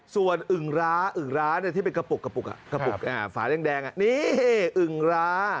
ส่วนอึ่งราอึ่งราที่เป็นกระปุกฝานแดงนี่อึ่งรา